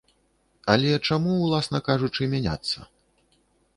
Але чаму, уласна кажучы, мяняцца?